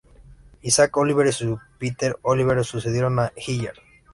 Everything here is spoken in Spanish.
Isaac Oliver y su hijo Peter Oliver sucedieron a Hilliard.